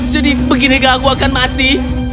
jadi begini enggak aku akan mati